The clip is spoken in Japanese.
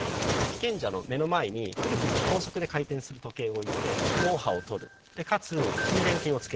被験者の目の前にクルクルと高速で回転する時計を置いて脳波を取るかつ筋電計を付ける。